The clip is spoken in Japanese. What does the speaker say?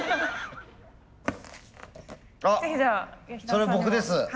それ僕です。